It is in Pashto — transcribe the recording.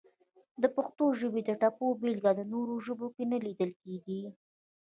د پښتو ژبې د ټپو بېلګه په نورو ژبو کې نه لیدل کیږي!